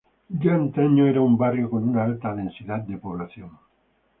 Ya antaño era un barrio con una alta densidad de población.